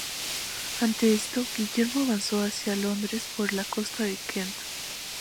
Ante esto, Guillermo avanzó hacia Londres por la costa de Kent.